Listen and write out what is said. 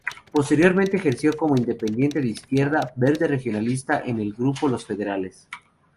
Posteriormente ejerció como independiente de izquierda verde regionalista en el grupo Los Federales.